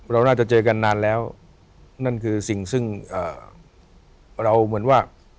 เราน่าจะเจอกันนานแล้วนั่นคือสิ่งซึ่งเราเหมือนว่า